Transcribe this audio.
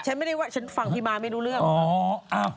ฉันไม่ได้ว่าฉันฟังพี่ม้าไม่รู้เรื่อง